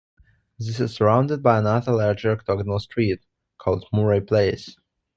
This is surrounded by another, larger octagonal street called Moray Place.